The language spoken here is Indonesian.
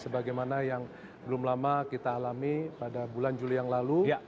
sebagaimana yang belum lama kita alami pada bulan juli yang lalu